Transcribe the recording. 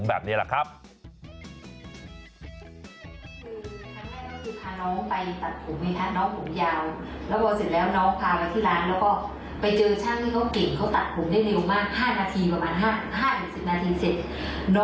เพราะว่ารายได้ดีอยากทำว่าชีวิตอิสระ